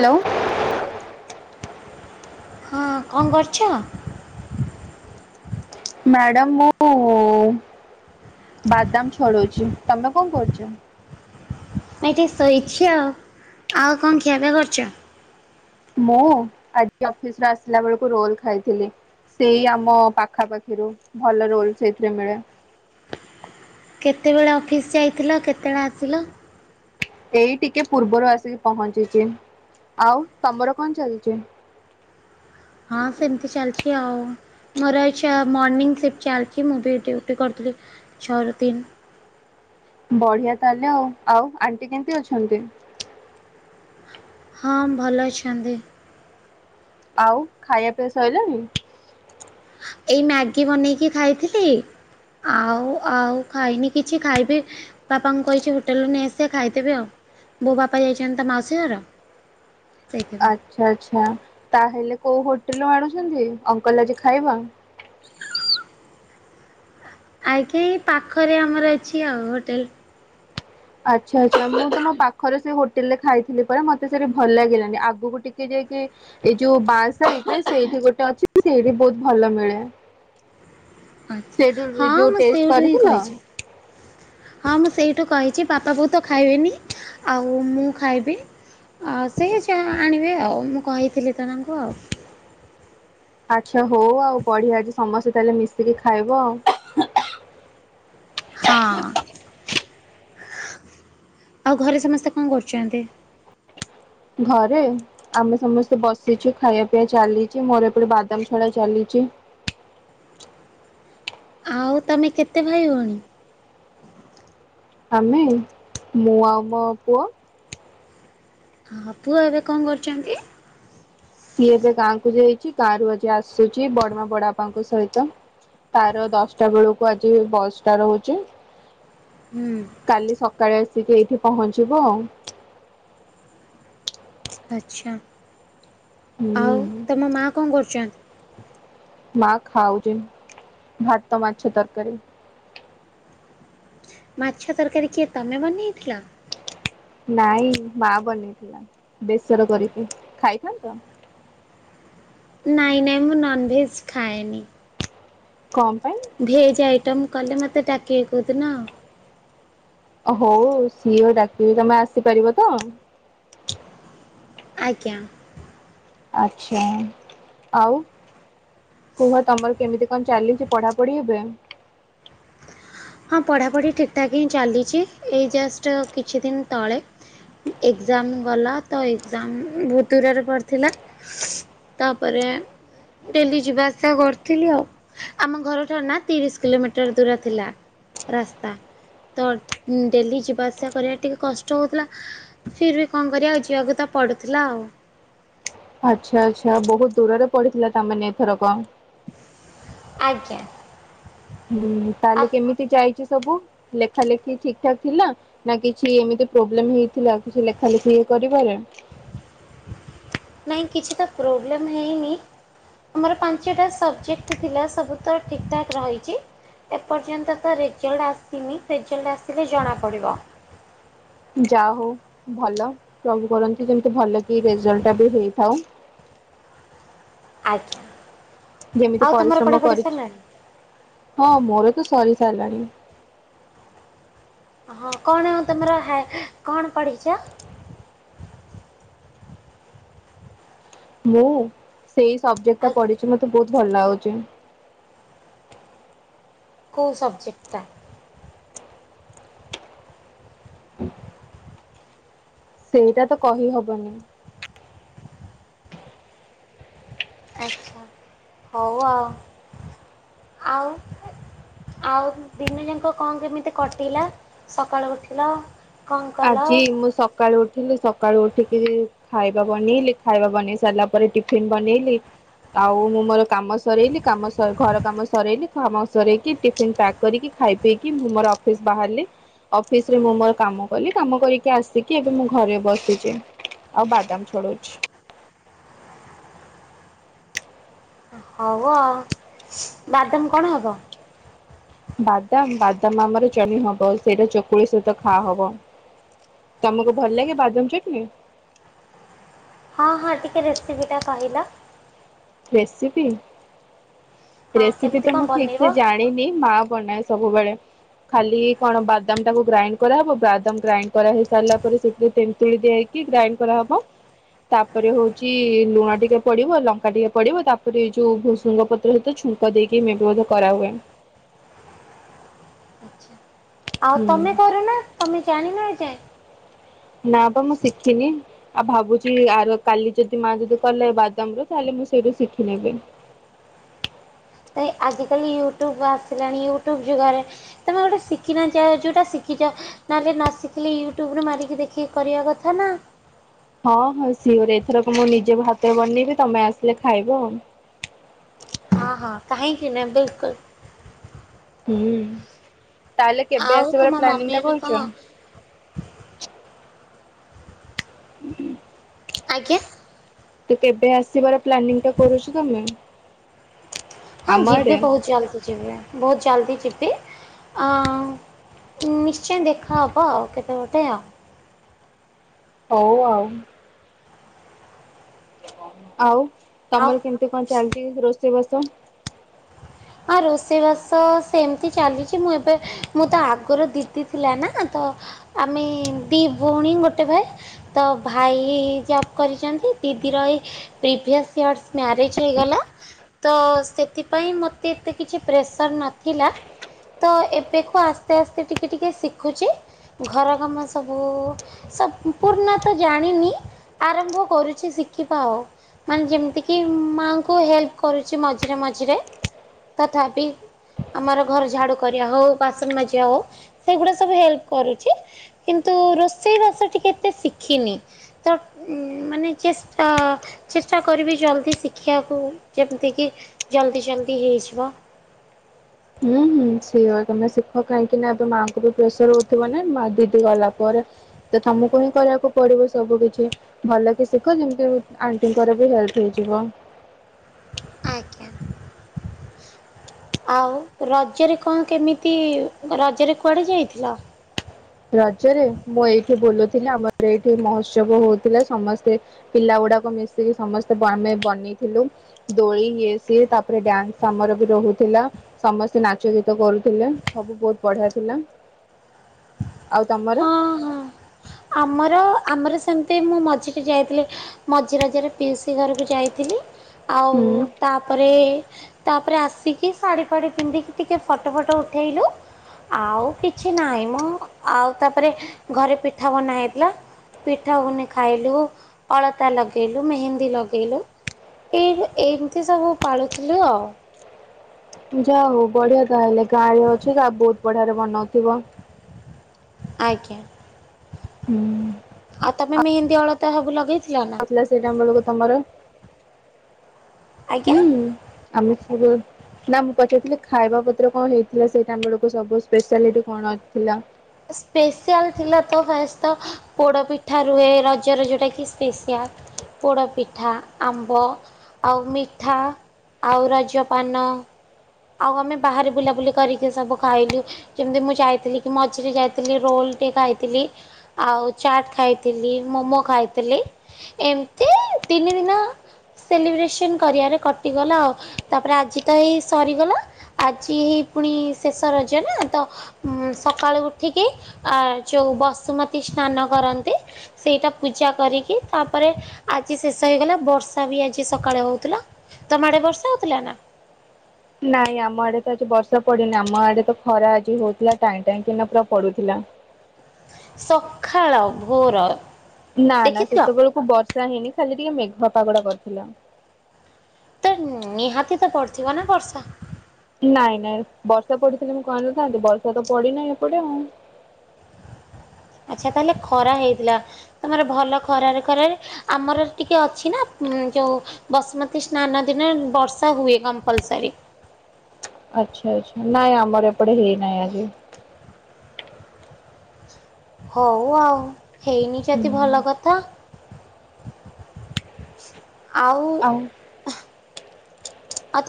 Hello. ହଁ କଣ କରୁଛ? ମ୍ୟାଡ଼ାମ ମୁଁ ବାଦାମ ଛଡଉଛି। ତମେ କଣ କରୁଛ? ଏ ଟିକି ଶୋଇଛିି ଆଉ। ଆଉ କଣ ଖିଆ ପିଆ କରିଚ? ମୁଁ ଆଜି ଅଫିସ ରୁ ଆସିଲା ବେଳକୁ ରୋଲ ଖାଇଥିଲି। ସେଇ ଆମ ପାଖାପାଖିରୁ ଭଲ ରୋଲ ସେଇଥିରେ ମିଳେ। କେତେବେଳେ ଅଫିସ୍ ଯାଇଥିଲ କେତେବେଳେ ଆସିଲ? ଏଇ ଟିକେ ପୂର୍ବରୁ ଆସିକି ପହଞ୍ଚିଛି। ଆଉ ତମର କଣ ଚାଲିଛି? ହଁ ସେମିତି ଚାଲିଛି ଆଉ। ମୋରଛ ମର୍ଣିଂ ସିଫ୍ଟ ଚାଲିଛି ମୁଁ ବି ଡ୍ୟୁଟି କରିଥିଲି ଛଅରୁ ତିନ। ବଢିଆ ତାହେଲେ ଆଉ ଆଉ ଆଣ୍ଟି କେମିତି ଅଛନ୍ତି? ହଁ ଭଲ ଅଛନ୍ତି। ଆଉ ଖାଇବା ପିଇବା ସରିଲଣିି? ଏଇ ମ୍ୟାଗି ବନେଇକି ଖାଇଥିଲି। ଆଉ ଆଉ ଖାଇନି କିଛି ଖାଇବି। ବାପାଙ୍କୁ କହିଛି ହୋଟେଲରୁୁ ନେଇ ଆସିବେ ଖାଇଦେବେ ଆଉ ବୋଉ ବାପା ଯାଇଛନ୍ତି ତା ମାଉସୀ ଘର। ସେଇଥି ପାଇଁ। ଆଚ୍ଛା ଆଚ୍ଛା ତାହେଲେ କୋଉ ହୋଟେଲରୁୁ ଆଣୁଛନ୍ତି ଅଙ୍କଲ ଆଜି ଖାଇବା? ଆଜ୍ଞା ଏଇ ପାଖରେ ଆମର ଅଛି ଆଉ ହୋଟେଲ। ଆଛା ଆଛା ମୁଁ ତୁମ ପାଖରେ ସେ ହୋଟେଲ ରେ ଖାଇଥିଲି ପରା ମତେ ସେଠି ଭଲ ଲାଗିଲାନି। ଆଗକୁ ଟିକେ ଯାଇକି ଏଇ ଯୋଉ ବାର ସାଇଟ ରେ ସେଇଠି ଗୋଟେ ଅଛି ସେଇଠି ବହୁତ ଭଲ ମିଳେ। ସେଇଠୁ ଆଚ୍ଛା ହଁ ଯୋଉ ମୁଁ ଟେଷ୍ଟ ସେଇଠୁ ହିଁ କରିଥିଲ? କହିଛି। ହଁ ମୁଁ ସେଇଠୁ କହିଛି ବାପା ବୋଉ ତ ଖାଇବେନି ଆଉ ମୁଁ ଖାଇବି। ଆ ସେ ଯାହା ଆଣିବେ ଆଉ ମୁଁ କହିଥିଲି ତ ତାଙ୍କୁ ଆଉ। ଆଛା ହଉ ଆଉ ବଢିଆ ଅଜି ସମସ୍ତେ ତାହେଲେ ମିଶିକି ଖାଇବ ଆଉ। ହଁ ଆଉ ଘରେ ସମସ୍ତେ କଣ କରୁଛନ୍ତି? ଘରେ। ଆମେ ସମସ୍ତେ ବସିଛୁ ଖାଇବା ପିଇବା ଚାଲିଚି, ମୋର ଏପଟେ ବାଦାମ ଛାଡା ଚାଲିଛି। ଆଉ ତମେ କେତେ ଭାଇ ଭଉଣୀ? ଆମେ ମୁଁ ଆଉ ମୋ ପୁଅ। ହଁ ପୁଅ ଏବେ କଣ କରୁଛନ୍ତି? ସିଏ ଏବେ ଗାଁକୁ ଯାଇଛି ଗାଁରୁ ଆଜି ଆସୁଛି ବଡମା ବଡ ବାପାଙ୍କ ସହିତ। ତାର ଦଶଟା ବେଳକୁ ଆଜି ବଶଟା ରହୁଛି। ହୁଁ। କାଲି ସକାଳେ ଆସିକି ଏଇଠି ପହଞ୍ଚିବ ଆଉ। ଆଚ୍ଛା। ହୁଁ ଆଉ ତମ ମା କଣ କରୁଛନ୍ତି? ମା ଖାଉଛି ଭାତ ମାଛ ତରକାରୀ। ମାଛ ତରକାରୀ କିଏ ତମେ ବନେଇଥିଲ? ନାଇଁ ମା ବନେଇଥିଲା ବେସର କରିକି। ଖାଇଥାନ୍ତ? ନାଇଁ ନାଇଁ ମୁଁ ନନଭେଜ ଖାଏନି। କଁ ପାଇଁ? ଭେଜ୍ ଆଇଟମ୍ କଲେ ମୋତେ ଡାକିବେ କୁ ଦିନ। ହଉ ସିଏ ଡାକିବି। ତମେ ଆସିପାରିବ ତ? ଆଜ୍ଞା। ଆଛା ଆଉ କୁହ ତମର କେମିତି କଁ ଚାଲିଚି ପଢା ପଢି ଏବେ? ହଁ ପଢାପଢି ଠିକ୍ ଠାକ୍ ହିଁ ଚାଲିଛି ଏଇ ଜଷ୍ଟ କିଛି ଦିନ ତଳେ ଏଗ୍ଜାମ ଗଲା ତ ଏଗ୍ଜାମ ବୋହୁତ ଦୂରରେ ପଡିଥିଲା। ତାପରେ ଡେଲି ଯିବା ଆସିବା କରୁଥିଲି ଆଉ ଆମ ଘରଠାରୁ ନା ତିରିଶ କିଲୋମିଟର ଦୂର ଥିଲା। ରାସ୍ତା ତ ଡେଲି ଉଁ ଯିବା ଆସିବା କରିବା ଟିକେ କଷ୍ଟ ହଉଥିଲା। ଫିର୍ ବି କଁ କରିବା ଆଉ ଯିଆକୁ ତ ପଡୁଥିଲା ଆଉ। ଆଚ୍ଛା ଆଚ୍ଛା ବୋହୁତ ଦୂରରେ ପଡିଥିଲା ତା ମାନେ ଏଥରକ। ଆଜ୍ଞା। ହୁଁ ଆଉ ତାହେଲେ କେମିତି ଯାଇଛି ସବୁ ଲେଖା ଲେଖି ଠିକ୍ ଠାକ୍ ଥିଲା? ନା କିଛି ଏମିତି ପ୍ରୋବ୍ଲେମ ହେଇଥିଲା କିଛି ଲେଖା ଲେଖି କରିବାରେ। ନାଇଁ କିଛି ତ ପ୍ରୋବ୍ଲେମ୍ ହେଇନି। ଆମର ପାଞ୍ଚେଟା ସବଜେକ୍ଟ ଥିଲା ସବୁ ତ ଠିକ୍ ଠାକ୍ ରହିଚି। ଏ ପର୍ଯ୍ୟନ୍ତ ତ ରେଜଲ୍ଡ ଆସିନି ରେଜଲ୍ଡ ଆସିଲେ ଜଣାପଡିବ। ଯା ହଉ ଭଲ ପ୍ରଭୁ କରନ୍ତି ଯେମତି ଭଲ କି ରେଜଲ୍ଟ ଟା ବି ହେଇଥାଉ। ଆଜ୍ଞା। ଯେମିତି ଆଉ ତମର ପରିଶ୍ରମ ପଢ଼ାପଢ଼ି କରିଚ୍ ସରିଲାଣି ହଁ ମୋର ତ ସରି ସାରିଲାଣି। ହଁ କଣ ଆଉ ତମର ହା କଣ ପଢିଛ? ମୁଁ ସେଇ ସବଜେକ୍ଟଟା ଆଉ ପଢିଛି ମତେ ବୋହୁତ ଭଲ ଲାଗୁଛି। କୋଉ ସବଜେକ୍ଟଟା? ସେଇଟା ତ କହି ହବନି। ଆଚ୍ଛା ହଉ ଆଉ। ଆଉ ଆଉ ଦିନ ଯାକଁ କଁ କେମିତି କଟିଲା? ସକାଳୁ ଉଠିଲ କଣ କଲ ଆଜି ହଁ ମୁଁ ସକାଳୁ ଉଠିଲି ସକାଳୁ ଉଠିକି ଖାଇବା ବନେଇଲି ଖାଇବା ବନେଇ ସାରିଲା ପରେ ଟିଫିନ୍ ବନେଇଲି। ଆଉ ମୁଁ ମୋର କାମ ସରେଇଲି କାମ ସ ଘର କାମ ସରେଇଲି ଖାମ ସରେଇକି ଟିଫିନ ପ୍ୟାକ୍ କରିକି ଖାଇ ପିଇକି ମୁଁ ମୋର ଅଫିସ ବାହାରିଲି ଅଫିସରେ ମୁଁ ମୋର କାମ ଗଲି କାମ କରିକି ଆସିକି ଏବେ ମୁଁ ଘରେ ବସିଚି ଆଉ ବାଦାମ୍ ଛଡଉଛି। ହଉ ଅଉ। ବାଦାମ୍ କଣ ହବ? ବାଦାମ୍ ବାଦାମ୍ ଆମର ଚନି ହବ ସେଇଟା ଚକୁଳି ସହିତ ଖା ହବ। ତମୁକୁ ଭଲ ଲାଗେ ବାଦାମ୍ ଚଟନୀ? ହଁ ହଁ ଟିକେ ରେସିପିଟା କହିଲ। ରେସିପି। ହଁ ରେସିପି କେମିତି ତ କଣ ମୁଁ ଠିକ୍ ବନେଇବ? ସେ ଜାଣିନି ମା ବନାଏ ସବୁବେଳେ। ଖାଲି କଣ ବାଦାମଟାକୁ ଗ୍ରାଇଣ୍ଡ କରାହେବ ବାଦାମ ଗ୍ରାଇଣ୍ଡ କରା ହେଇ ସାରିଲା ପରେ ସେଥିରେ ତେନ୍ତୁଳି ଦିଆ ହେଇ କି ଗ୍ରାଇଣ୍ଡ କରାହବ। ତାପରେ ହଉଚି ଲୁଣ ଟିକେ ପଡିବ ଲଙ୍କା ଟିକେ ପଡିବ ତାପରେ ଏଇ ଯୋଉ ଭୃସୁଙ୍ଗ ପ ତ୍ର ସହିତ ଛୁଙ୍କ ଦେଇକି ମେ ବି ବୋଧେ କରାହୁଏ। ଆଛା ଆଉ ହୁଁ ତମେ କରୁନ ତମେ ଜାଣିନ ଏ ଯାଏଁ। ନା ତ ମୁଁ ଶିଖିନି। ଆଉ ଭାବୁଚି ଆରେ କାଲି ଯଦି ମା ଯଦି କଲେ ବାଦାମରେ ତାହେଲେ ମୁଁ ସେଇଠୁ ଶିଖି ନେବି। ଏ ଆଜିକାଲି ୟୁଟ୍ୟୁବ ଆସିଲାଣି ୟୁଟ୍ୟୁବ ଯୁଗରେ ତମେ ଗୋଟେ ଶିଖିନ ଯାଏଁ ଯୋଉଟା ଶିଖିଛ ନହେଲେ ନ ଶିଖିଲେ ୟୁଟ୍ୟୁବରେ ମାରିକି ଦେଖିକି କରିଆ କଥା ନା। ହଁ ହଁ ସିଓର ଏଥରକ ମୁଁ ନିଜେ ମୋ ହାତରେ ବନେଇବି ତମେ ଆସିଲେ ଖାଇବ ଆଉ। ହଁ ହଁ କହିଁକି ନାଁ ବିଲକୁଲ୍ ହୁଁ ତାହେଲେ କେବେ ଆଉ ଆସିବାର ତମ ମମି ପ୍ଲାନିଂଟା ଏବେ କଣ କରୁଚ? [inaudible] ଆଜ୍ଞା ତୁ କେବେ ଆସିବାର ପ୍ଲାନିଂଟା କରୁଛ ତମେ? ହଁ ଆମ ଯିବି ଆଡେ ବହୁତ ଜଲଦି ଯିବି, ବହୁତ ଜଲଦି ଯିବି, ଆ ନିଶ୍ଚୟ ଦେଖାହେବ ଆଉ କେବେ ଗୋଟେ ଆଉ ହଉ ଆଉ ଆଉ ଆଉ ତମର କେମତି କଣ ଚାଲିଛି ରୋଷେଇବାସ? ହଁ ରୋଷେଇବାସ ସେମିତି ଚାଲିଛି, ମୁଁ ଏବେ ମୁଁ ତ ଆଗରୁ ଦିଦି ଥିଲା ନା, ତ, ଆମେ ଦି ଭଉଣୀ ଗୋଟେ ଭାଇ ତ ଭାଇ ଜବ୍ କରିଛନ୍ତି, ଦିଦି ରହି ପ୍ରିଭିଅସ୍ ଇୟର୍ସ ମ୍ୟାରେଜ ହେଇଗଲା, ତ ସେଥି ପାଇଁ ମୋତେ ଏତେ କିଛି ପ୍ରେସର୍ ନଥିଲା ତ ଏବେକୁୁ ଆସ୍ତେ ଆସ୍ତେ ଟିକେ ଟିକେ ଶିଖୁଛି ଘର କାମ ସବୁ ସମ୍ପୂର୍ଣ୍ଣ ତ ଜାଣିନି, ଆରମ୍ଭ କରୁଛି ଶିଖିବା ଆଉ ମାନେ ଯେମିତିକି ମାଆଙ୍କୁ ହେଲ୍ପ କରୁଛି ମଝିରେ ମଝିରେ ତଥାପି ଆମର ଘର ଝାଡ଼ୁ କରିବା ହଉ, ବାସନ ମାଜିବା ହଉ, ସେଗୁଡ଼ା ସବୁ ହେଲ୍ପ କରୁଛି କିନ୍ତୁ ରୋଷେଇବାସ ଟିକେ ଏତେ ଶିଖିନି। ତ ମାନେ ଚେଷ୍ଟା ଚେଷ୍ଟା କରିବି ଜଲ୍ଦି ଶିଖିଆକୁ, ଯେମିତିକି ଜଲ୍ଦି ଜଲ୍ଦି ହେଇଯିବ ହୁଁ ହୁଁ ସିଓର୍ ତମେ ଶିଖ କାହିଁକି ନା ଏବେ ମାଆଙ୍କୁ ବି ପ୍ରେସର ହଉଥିବ ନା ମା ଦିଦି ଗଲା ପରେ ତ ତମକୁ ହିଁ କରିବାକୁ ପଡିବ ସବୁ କିଛି ଭଲ କି ଶିଖ ଯେମିତି ଆଣ୍ଟିଙ୍କର ବି ହେଲ୍ପ ହେଇଯିବ। ଆଜ୍ଞା ଆଉ ରଜରେ କଣ କେମିତି? ରଜରେ କୁଆଡ଼େ ଯାଇଥିଲ? ରଜରେ ମୁଁ ଏଇଠି ବୁଲୁଥିଲି, ଆମର ଏଇଠି ମହୋତ୍ସବ ହଉଥିଲା ସମସ୍ତେ ପିଲାଗୁଡାକ ମିଶିକି ସମସ୍ତେ ଆମେ ବନେଇଥିଲୁ। ଦୋଳି ଇଏ ସିଏ, ତାପରେ ଡ୍ୟାନ୍ସ ଆମର ବି ରହୁଥିଲା। ସମସ୍ତେ ନାଚ ଗୀତ କରୁଥିଲେ ସବୁ ବହୁତ ବଢିଆ ଥିଲା ଆଉ ତମର? ହଁ ହଁ। ଆମର ଆମର ସେମିତି ମୁଁ ମଝିିରେ ଯାଇଥିଲି ମଝି ରଜରେ ପିଉସି ଘରକୁ ଯାଇଥିଲି, ଆଉ ହୁଁ ତାପରେ, ତାପରେ ଆସିକି ଶାଢ଼ୀ ଫାଢ଼ୀ ପିନ୍ଧିକି ଟିକେ ଫଟୋ ଫଟୋ ଉଠାଇଲେ। ଆଉ କିଛି ନାହିଁ ମ, ଆଉ ତାପରେ ଘରେ ପିଠା ବନା ହେଇଥିଲା। ପିଠା ବନେଇ ଖାଇଲୁ, ଅଳତା ଲଗେଇଲୁ, ମେହେନ୍ଦୀ ଲଗେଇଲୁ ଏହ ଏମିତି ସବୁ ପାଳୁଥିଲୁ ଆଉ ଯା ହଉ ବଢିଆ ତାହଲେ, ଗାଁରେ ଅଛ ବହୁତ ବଢିଆରେ ବନଉଥିବ? ଆଜ୍ଞା। ଆଉ ତମେ ମେହେନ୍ଦୀ ଅଳତା ସବୁ ଲଗେଇଥିଲ? ନା ସେଇଟାମ ବେଳକୁ ତମର ଆଜ୍ଞା। ହୁଁ ଆମେ ସୁର ନା ମୁଁ ପଚାରଥିଲି ଖାଇବା ପତ୍ର କଣ ହେଇଥିଲା, ସେଇଟା ଆମ ସବୁ ସ୍ପେଶାଲିଟି କଣ ଥିଲା? ସ୍ପେସିଆଲ୍ ଥିଲା ତ, ଫାଷ୍ଟ ତ ପୋଡ଼ପିଠା ରୁହେ, ରଜରେ ଯୋଉଁଟାକି ସ୍ପେଶଆଲ। ପୋଡ଼ପିଠା, ଆମ୍ବ ଆଉ ମିଠା ଆଉ ରଜପାନ। ଆଉ ଆମେ ବାହାରେ ବୁଲାବୁଲି କରିକି ସବୁ ଖାଇଲୁ। ଯେମିତି ମୁଁ ଯାଇଥିଲି କି, ମଝିରେ ଯାଇଥିଲି, ରୋଲ ଟେ ଖାଇଥିଲି। ଆଉ ଚାଟ୍ ଖାଇଥିଲି, ମୋମୋ ଖାଇଥିଲି। ଏମତି ତିନି ଦିନ ସେଲିବ୍ରେସନ୍ କରିବାରେ କଟିଗଲା ଆଉ, ତାପରେ ଆଜି ତ ଏଇ ସରିଗଲା, ଆଜି ହେଇ ପୁଣି ଶେଷ ରଜ ନା ତ ଉ ସକାଳୁ ଉଠିକି ଆ ଯୋଉ ବସୁମତୀ ସ୍ନାନ କରନ୍ତି। ସେଇଟା ପୂଜା କରିକି ତାପରେ ଆଜି ଶେଷ ହେଇଗଲା ବର୍ଷା ବି ଆଜି ସକାଳେ ହଉଥିଲା ତମ ଆଡେ ବର୍ଷା ହଉଥିଲା ନା? ନାଇଁ ଆମ ଆଡେ ତ ଆଜି ବର୍ଷା ପଡିନି ଆମ ଆଡେ ତ ଖରା ଆଜି ହଉଥିଲା ଟାଇଁ ଟାଇଁ କି ନା ପୁରା ପଡୁଥିଲା। ସଖାଳ ଭୋର ନା ନା ଦେଖିଥିଲ? ସେତେବେଳକୁ ବର୍ଷା ହେଇନି ଖାଲି ଟିକେ ମେଘୁଆ ପାଗ ଟା କରିଥିଲା। ତ ନିହାତି ତ ପଡିଥିବ ନା ବର୍ଷା? ନାଇଁ ନାଇଁ ବର୍ଷା ପଡିଥିଲେ ମୁଁ କହିନଥାନ୍ତି ବର୍ଷା ତ ପଡିନାହିଁ ଏପଟେ ଆଉ। ଆଚ୍ଛା ତାହେଲେ ଖରା ହେଇଥିଲା ତମର ଭଲ ଖରାରେ ଖରାରେ ଆମର ଟିକେ ଅଛି ନା ମ୍ ଯୋଉ ବସୁମତୀ ସ୍ନାନ ଦିନ ବର୍ଷା ହୁଏ କମ୍ପଲସରୀ। ଆଚ୍ଛା ଆଚ୍ଛା ନାଇଁ ଆମର ଏପଟେ ହେଇନାହିଁ ଆଜି। ହଉ ଆଉ ହେଇନି ଯଦି ଭଲ ହୁଁ କଥା। [inaudible] ଆଉ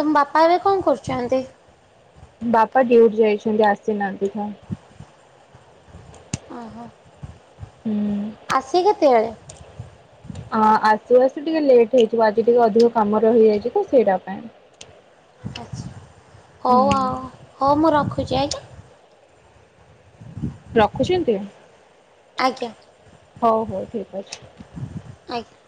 ତମ ବାପା ଏବେ କଣ କରୁଚନ୍ତି? ବାପା ଡିୟୁଟି ଯାଇଚନ୍ତି ଆସିନାହାନ୍ତି [unintelligible] ଅ ହ ଆସିବେ କେତେବେଳେ? ଅଁ ଆସୁ ଆସୁ ଟିକେ ଲେଟ୍ ହେଇଯିବ ଆଜି ଟିକେ ଅଧିକ କାମ ରହିଯାଇସଚି ତ ସେଇଟା ପାଇଁ। ଆଛା ହଉ ହୁଁ ଆଉ ହଉ ମୁଁ ରଖୁଛି ଆଜ୍ଞା। ହ [inaudible] ରଖୁଚନ୍ତି ହଉ ହଉ ଠିକ ଅଛି। ଆଜ୍ଞା।